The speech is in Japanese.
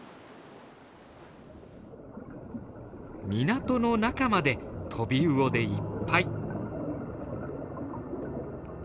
港の中までトビウオでいっぱい。